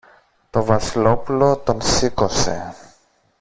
Το Βασιλόπουλο τον σήκωσε.